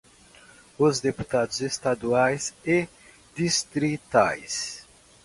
os deputados estaduais e distritais;